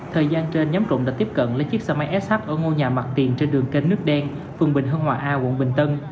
thời gian trên nhóm trộm đã tiếp cận lên chiếc xe máy shup ở ngôi nhà mặt tiền trên đường kênh nước đen phường bình hưng hòa a quận bình tân